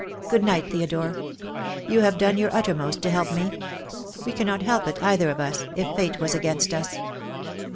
Good night, Theodore. You have done your uttermost to help me. We cannot help it, either of us, if Fate was against us."